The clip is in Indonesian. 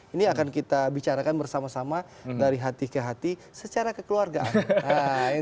ini akan kita bicarakan bersama sama dari hati ke hati secara kekeluargaan